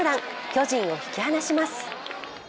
巨人を引き離します。